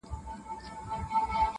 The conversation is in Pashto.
د پاچا لور وم پر طالب مینه سومه-